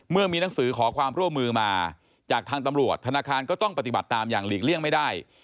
เมื่อมีหนังสือขอความร่วมมือมาจากทางตำรวจธนาคารก็ต้องปฏิบัติตามอย่างหลีกเลี่ยงไม่ได้